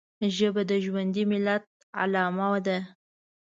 ژبه د ژوندي ملت علامه ده